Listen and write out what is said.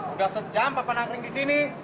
udah sejam papa nangkling di sini